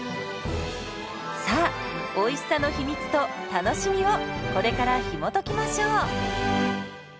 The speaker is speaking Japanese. さあおいしさの秘密と楽しみをこれからひもときましょう。